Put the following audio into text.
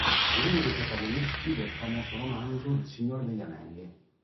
È uno dei protagonisti del famoso romanzo "Il Signore degli Anelli".